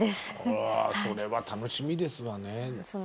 うわそれは楽しみですわね。